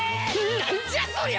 なんじゃそりゃ！？